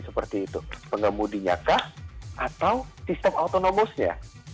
seperti itu pengemudinya kah atau sistem autonomous nya